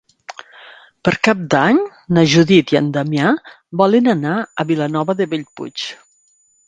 Per Cap d'Any na Judit i en Damià volen anar a Vilanova de Bellpuig.